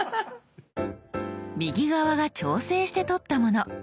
右側が調整して撮ったもの。